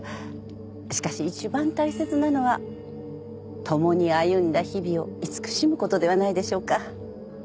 しかし一番大切なのは共に歩んだ日々を慈しむことではないでしょうか？